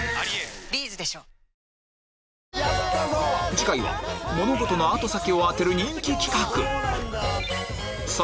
次回は物事の後先を当てる人気企画